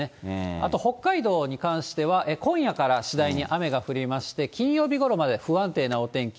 あと北海道に関しては、今夜から次第に雨が降りまして、金曜日ごろまで不安定なお天気。